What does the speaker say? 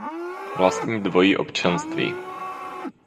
Vlastní dvojí občanství.